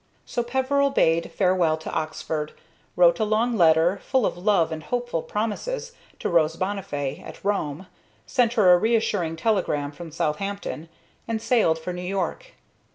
So Peveril bade farewell to Oxford, wrote a long letter, full of love and hopeful promises, to Rose Bonnifay, at Rome, sent her a reassuring telegram from Southampton, and sailed for New York.